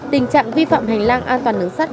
tình trạng vi phạm hành lang an toàn đường sắt